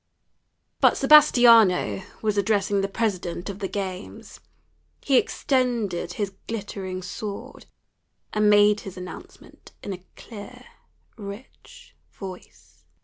But Sebastiano was addressing the president of the games. He extended his glittering sword, and made his announcement in a clear, rich voice.